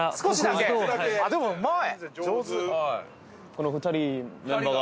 あっでもうまい！